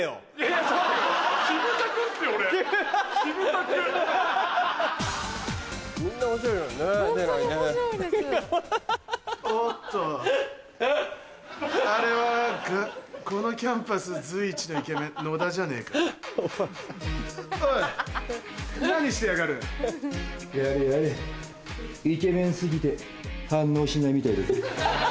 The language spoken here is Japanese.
やれやれイケメン過ぎて反応しないみたいだぜ。